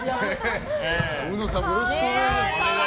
うのさんもよろしくお願いします。